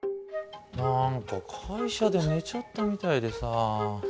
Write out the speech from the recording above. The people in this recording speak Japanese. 何か会社で寝ちゃったみたいでさ。